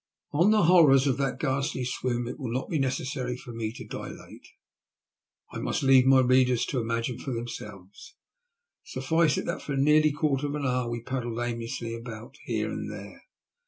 On the horrors of that ghastly swim it will not be necessary for me to dilate. I must leave my readers to imagine them for themselves. Suffice it that for nearly a quarter of an hour we paddled aimlessly about here and there.